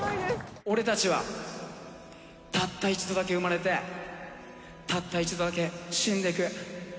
俺たちはたった一度だけ生まれてたった一度だけ死んでいく。